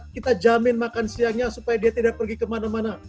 kita jamin makan siangnya supaya dia tidak pergi kemana mana